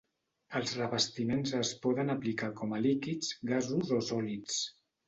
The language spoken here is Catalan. Els revestiments es poden aplicar com a líquids, gasos o sòlids.